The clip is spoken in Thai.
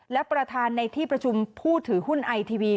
และประธานในที่ประชุมผู้ถือหุ้นไอทีวี